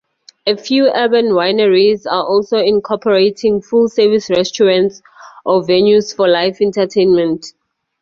A few urban wineries are also incorporating full-service restaurants or venues for live entertainment.